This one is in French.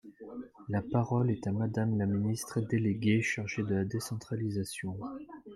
La parole est à Madame la ministre déléguée chargée de la décentralisation.